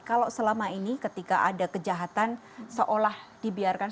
kalau selama ini ketika ada kejahatan seolah dibiarkan